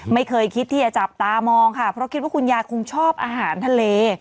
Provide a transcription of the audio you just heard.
ไม่เคยคิดที่จะจับตามองค่ะเพราะคิดว่าคุณยายคงชอบอาหารทะเล